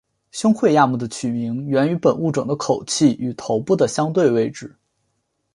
胸喙亚目的取名源于本物种的口器与头部的相对位置。